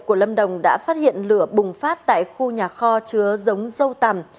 của lâm đồng đã phát hiện lửa bùng phát tại khu nhà kho chứa giống dâu tằm